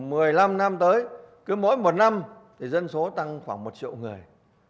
chúng ta trong vòng một mươi năm năm tới cứ mỗi một năm thì dân số tăng khoảng một triệu người